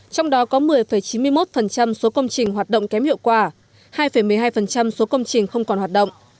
trong đó có một mươi chín mươi một số công trình hoạt động kém hiệu quả hai một mươi hai số công trình không còn hoạt động